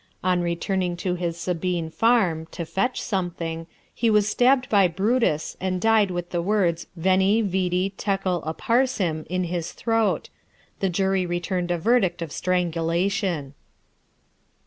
On returning to his Sabine farm (to fetch something), he was stabbed by Brutus, and died with the words "Veni, vidi, tekel, upharsim" in his throat. The jury returned a verdict of strangulation.